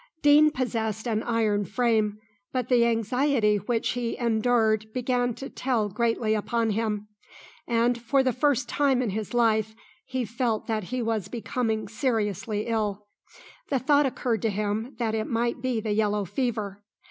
Deane possessed an iron frame, but the anxiety which he endured began to tell greatly upon him, and for the first time in his life, he felt that he was becoming seriously ill. The thought occurred to him that it might be the yellow fever.